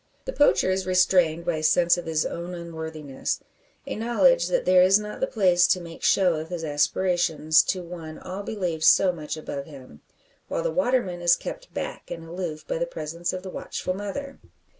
The poacher is restrained by a sense of his own unworthiness a knowledge that there is not the place to make show of his aspirations to one all believe so much above him; while the waterman is kept back and aloof by the presence of the watchful mother.